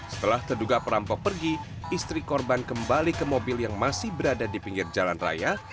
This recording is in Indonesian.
setelah terduga perampok pergi istri korban kembali ke mobil yang masih berada di pinggir jalan raya